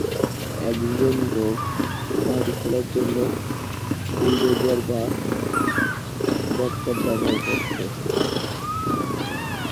একজন লোক মাটি খোঁড়ার জন্য বুলডোজার বা ববক্যাট ব্যবহার করছে।